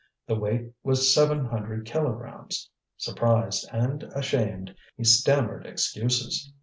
The weight was seven hundred kilograms. Surprised and ashamed, he stammered excuses.